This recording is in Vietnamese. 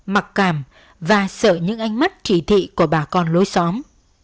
mặc cảm và sợ những ánh mắt chỉ thị của bà con lối xóm